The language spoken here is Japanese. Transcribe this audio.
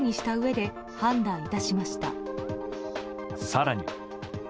更に。